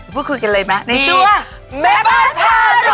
พูดคุยกันเลยแม่ในนี้ชื่อว่า